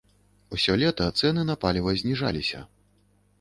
Усё лета цэны на паліва зніжаліся.